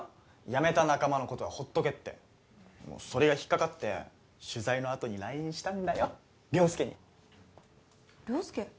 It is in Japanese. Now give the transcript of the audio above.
やめた仲間のことは放っとけってそれが引っ掛かって取材のあとにＬＩＮＥしたんだよ良介に良介？